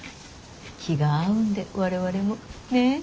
気が合うんで我々も。ねぇ？